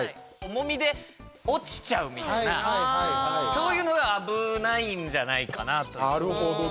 そういうのが危ないんじゃないかなという。